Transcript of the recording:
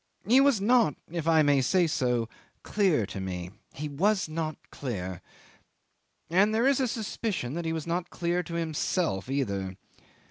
He was not if I may say so clear to me. He was not clear. And there is a suspicion he was not clear to himself either.